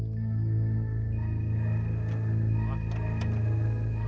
sebelah sana bos